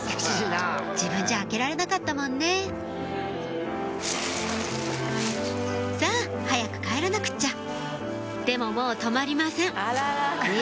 自分じゃ開けられなかったもんねさぁ早く帰らなくっちゃでももう止まりませんえ